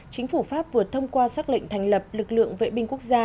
chính phủ pháp vừa thông qua xác lệnh thành lập lực lượng vệ binh quốc gia